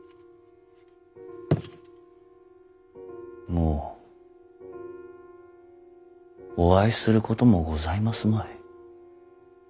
もうお会いすることもございますまい。